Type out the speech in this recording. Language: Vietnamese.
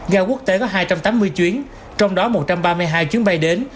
gà quốc tế có hai trăm tám mươi chuyến trong đó một trăm ba mươi hai chuyến bay đến